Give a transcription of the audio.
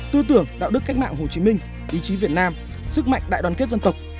tư tưởng đạo đức cách mạng hồ chí minh ý chí việt nam sức mạnh đại đoàn kết dân tộc